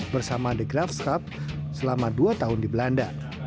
bersama the graf skarp selama dua tahun di belanda